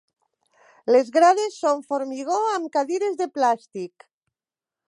Les grades són formigó, amb cadires de plàstic.